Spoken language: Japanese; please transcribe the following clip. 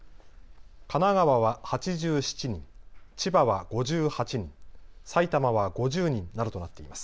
神奈川は８７人、千葉は５８人、埼玉は５０人などとなっています。